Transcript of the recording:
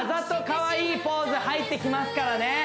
かわいいポーズ入ってきますからね